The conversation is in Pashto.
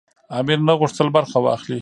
امیر نه غوښتل برخه واخلي.